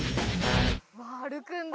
歩くんだ。